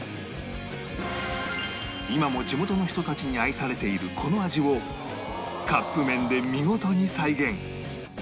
今も地元の人たちに愛されているこの味をカップ麺で見事に再現